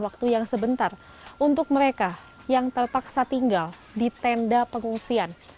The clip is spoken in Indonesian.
waktu yang sebentar untuk mereka yang terpaksa tinggal di tenda pengungsian